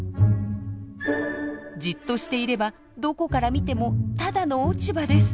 じっとしていればどこから見てもただの落ち葉です。